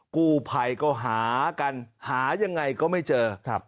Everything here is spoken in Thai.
ให้มาช่วยค้นหาด้วยนะครับ